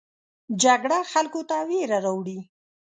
جګړه خلکو ته ویره راوړي